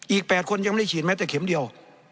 อีก๘คนยังไม่ได้ฉีดแม้แต่เข็มเดียว